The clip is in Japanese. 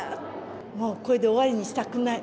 もうこれで終わりにしたくない。